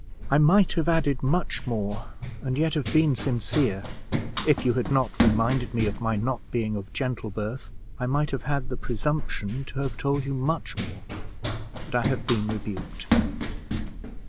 "I might have added much more, and yet have been sincere; if you had not reminded me of my not being of gentle birth, I might have had the presumption to have told you much more; but I have been rebuked."